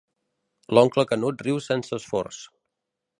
L'oncle Canut riu sense esforç.